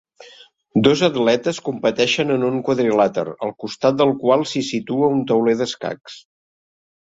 Dos atletes competeixen en un quadrilàter, al costat del qual s'hi situa un tauler d'escacs.